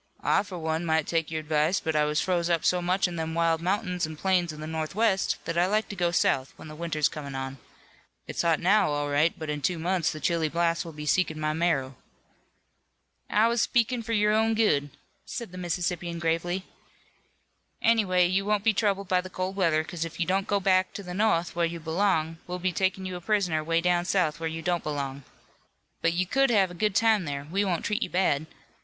"I for one might take your advice, but I was froze up so much in them wild mountains an' plains of the northwest that I like to go south when the winter's comin' on. It's hot now, all right, but in two months the chilly blasts will be seekin' my marrow." "I was speakin' for your own good," said the Mississippian gravely. "Anyway, you won't be troubled by the cold weather 'cause if you don't go back into the no'th where you belong, we'll be takin' you a prisoner way down south, where you don't belong. But you could have a good time there. We won't treat you bad.